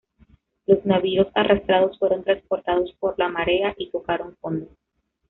Los navíos arrastrados fueron transportados por la marea, y tocaron fondo.